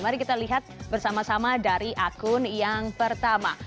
mari kita lihat bersama sama dari akun yang pertama